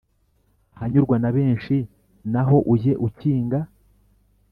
ahanyurwa na benshi, naho ujye ukinga.